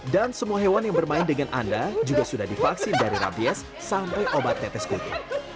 dan semua hewan yang bermain dengan anda juga sudah divaksin dari rabies sampai obat tetes kutu